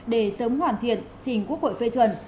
để sớm hoàn thiện trình quốc hội phê chuẩn